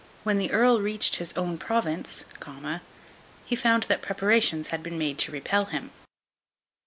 When the earl reached his own province, he found that preparations had been made to repel him.